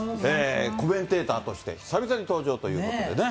コメンテーターとして久々に登場ということでね。